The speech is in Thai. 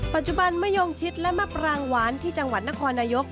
ปัจจุบันมะยงชิดและมะปรางหวานที่จังหวัดนครนายก